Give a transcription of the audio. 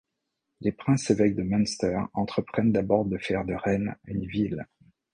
Les princes-évêques de Münster entreprennent d'abord de faire de Rheine une ville.